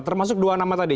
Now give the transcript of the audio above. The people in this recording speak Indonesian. termasuk dua nama tadi